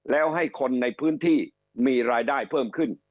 แล้วให้คนในพื้นที่มีรายได้เพิ่มขึ้น